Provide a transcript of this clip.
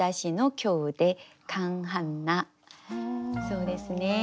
そうですね